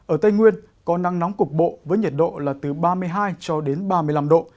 ở tây nguyên có nắng nóng cục bộ với nhiệt độ là từ ba mươi hai cho đến ba mươi năm độ